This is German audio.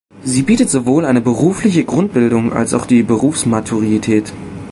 Sie bietet sowohl eine berufliche Grundbildung als auch die Berufsmaturität.